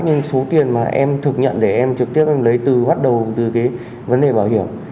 nhưng số tiền mà em thực nhận để em trực tiếp em lấy từ bắt đầu từ cái vấn đề bảo hiểm